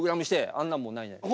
あんなんもうないない。